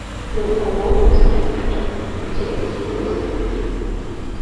За сталом у самым пачэсным куце сядзеў стары дзед.